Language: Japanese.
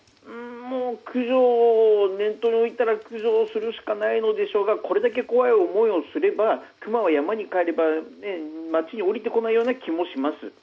駆除を念頭に置いたら駆除をするしかないんでしょうがこれだけ怖い思いをすればクマは山に帰れば町に降りてこないような気もします。